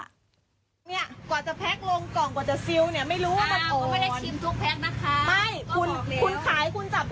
เนี่ยกว่าจะแพ็คลงกล่องกว่าจะซิลค์เนี่ย